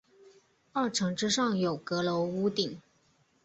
二层之上有阁楼屋顶。